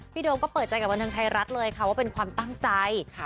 โดมก็เปิดใจกับบันเทิงไทยรัฐเลยค่ะว่าเป็นความตั้งใจ